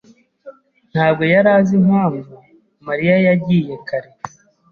ntabwo yari azi impamvu Mariya yagiye kare.